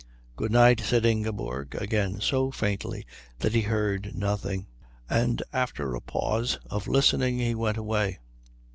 "Good night," said Ingeborg, again so faintly that he heard nothing; and after a pause of listening he went away.